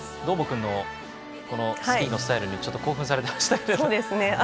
どーもくんのスキーのスタイルにちょっと興奮されてましたね。